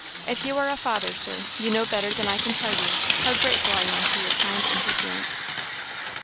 If you are a father, Sir, you know better than I can tell you, how grateful I am for your kind interference."